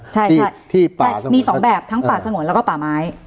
ใช่ใช่ที่ป่าใช่มีสองแบบทั้งป่าสงวนแล้วก็ป่าไม้